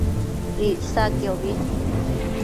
Icsaquiobi